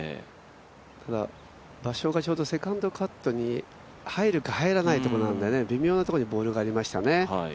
ただ、場所がちょうどセカンドカットに入るか入らないところなので微妙なところにボールがありましたよね。